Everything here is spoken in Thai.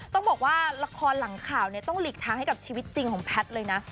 ต้องบอกว่าละครหลังข่าวเนี่ยต้องหลีกทางให้กับชีวิตจริงของแพทย์เลยนะ